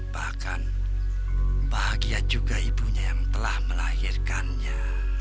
bahkan bahagia juga ibunya yang telah melahirkannya